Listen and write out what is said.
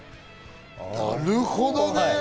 なるほどね。